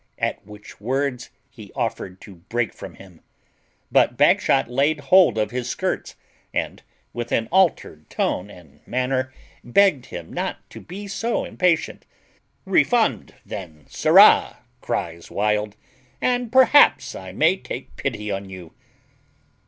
At which words he offered to break from him; but Bagshot laid hold of his skirts, and, with an altered tone and manner, begged him not to be so impatient. "Refund then, sirrah," cries Wild, "and perhaps I may take pity on you."